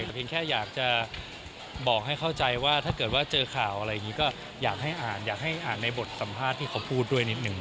แต่เพียงแค่อยากจะบอกให้เข้าใจว่าถ้าเกิดว่าเจอข่าวอะไรอย่างนี้ก็อยากให้อ่านอยากให้อ่านในบทสัมภาษณ์ที่เขาพูดด้วยนิดหนึ่ง